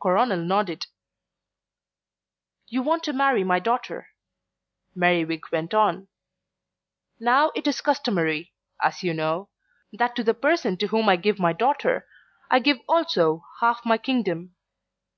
Coronel nodded. "You want to marry my daughter," Merriwig went on. "Now it is customary, as you know, that to the person to whom I give my daughter, I give also half my kingdom.